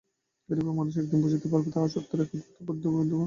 এইরূপেই মানুষ একদিন বুঝিতে পারে, তাহার সত্তার মধ্যে এক অদ্ভুত দ্বৈতভাব বিদ্যমান।